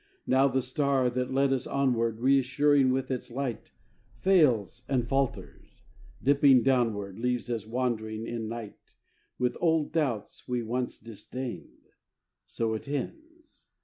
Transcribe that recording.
Now the star, that led us onward, Reassuring with its light, Fails and falters; dipping downward Leaves us wandering in night, With old doubts we once disdained ... So it ends.